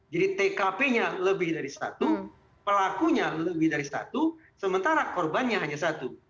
jadi tkp nya lebih dari satu pelakunya lebih dari satu sementara korbannya hanya satu